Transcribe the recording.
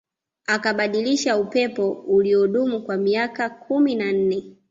Akabadilisha upepo uliodumu kwa miaka kumi na nne